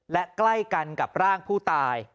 และใกล้กันกับร่างผู้ตาย